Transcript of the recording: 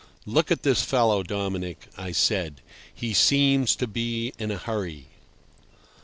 "Look at this fellow, Dominic," I said. "He seems to be in a hurry."